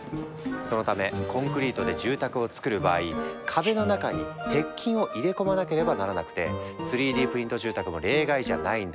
そのためコンクリートで住宅をつくる場合壁の中に鉄筋を入れ込まなければならなくて３Ｄプリント住宅も例外じゃないんだ。